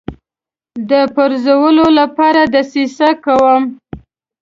د پرزولو لپاره دسیسه کوم.